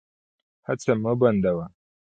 هڅه مه بندوه.